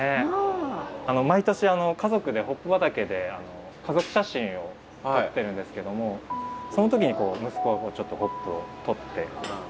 毎年家族でホップ畑で家族写真を撮ってるんですけどもその時に息子がちょっとホップを取って。